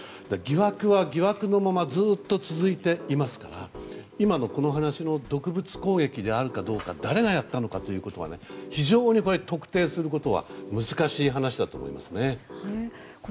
疑惑は疑惑のままずっと続いていますから今の、この話の毒物攻撃であるかどうか誰がやったのかということは非常に特定することは難しい話だと思います。